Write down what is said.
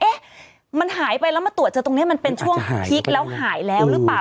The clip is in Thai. เอ๊ะมันหายไปแล้วมาตรวจเจอตรงนี้มันเป็นช่วงพลิกแล้วหายแล้วหรือเปล่า